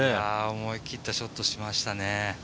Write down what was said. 思い切ってショットしましたね。